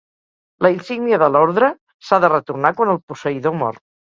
La insígnia de l'Ordre s'ha de retornar quan el posseïdor mor.